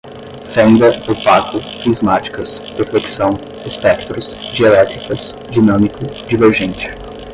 fenda, opaco, prismáticas, deflexão, espectros, dielétricas, dinâmico, divergente